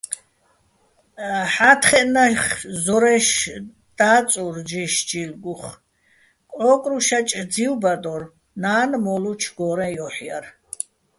ჰ̦ა́თხეჸ ნახ ზორაჲში̆ და́წურ ჯიშ-ჯილგუხ, კჵო́კრუშაჭ ძივბადო́რ, ნა́ნ მო́ლუჩო̆ გო́რეჼ ჲოჰ̦ ჲარ.